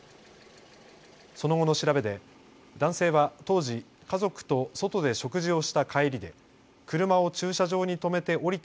その後の調べで男性は当時、家族と外で食事をした帰りで車を駐車場に止めて降りた